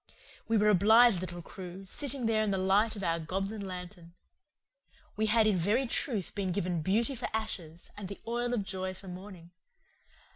We were a blithe little crew, sitting there in the light of our goblin lantern. We had in very truth been given beauty for ashes and the oil of joy for mourning.